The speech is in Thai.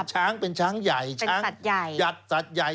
ช้างเป็นช้างใหญ่ช้างหยัดสัตว์ใหญ่